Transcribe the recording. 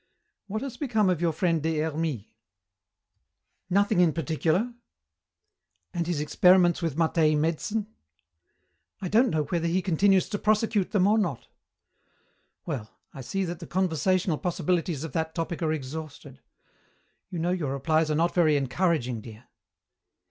What has become of your friend Des Hermies?" "Nothing in particular." "And his experiments with Mattei medicine?" "I don't know whether he continues to prosecute them or not." "Well, I see that the conversational possibilities of that topic are exhausted. You know your replies are not very encouraging, dear."